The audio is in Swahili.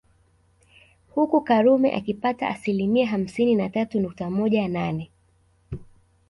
Huku Karume akipata asilimia hamsini na tatu nukta moja nane